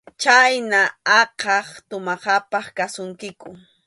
Chhayna aqha tumaq apaq kasunkiku.